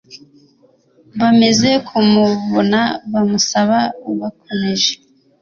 bamaze kumubona bamusaba bakomeje